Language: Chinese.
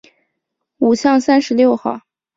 五巷三十六号